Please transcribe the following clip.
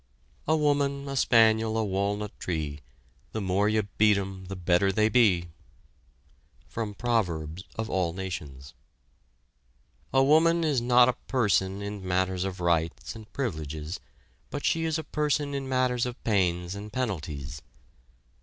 A woman, a spaniel, a walnut tree, The more you beat 'em, the better they be. From "Proverbs of All Nations." A woman is not a person in matters of rights and privileges, but she is a person in matters of pains and penalties.